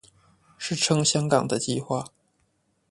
是撐香港的計畫